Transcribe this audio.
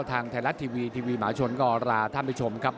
ทางไทยรัฐทีวีทีวีหมาชนก็ลาท่านผู้ชมครับ